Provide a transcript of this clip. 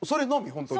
本当に。